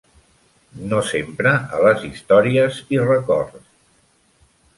No sempre a les històries i records!